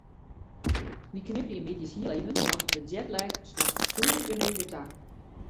Wy knipperje middeis hiel even want de jetlag slacht sûnder genede ta.